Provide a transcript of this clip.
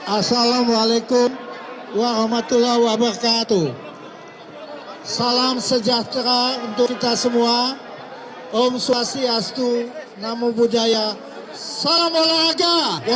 assalamualaikum warahmatullahi wabarakatuh salam sejahtera untuk kita semua om swastiastu namo buddhaya salam olahraga